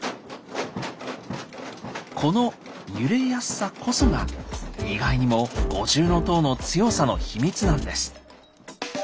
この揺れやすさこそが意外にも五重塔の強さのヒミツなんです。